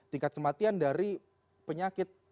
tingkat kematian dari penyakit